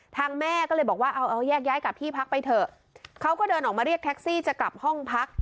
แม่ก็เลยบอกว่าเอาแยกย้ายกลับที่พักไปเถอะเขาก็เดินออกมาเรียกแท็กซี่จะกลับห้องพัก